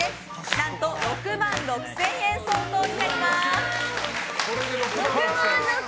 何と６万６０００円相当になります。